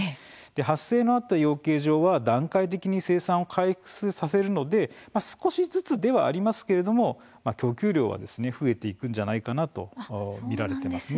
発生のあった養鶏場は段階的に生産を回復させるので少しずつではありますけれども供給量は増えていくんじゃないかなと見られています。